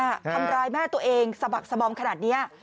ทำร้ายแม่ตัวเองเสมอขนาดนี้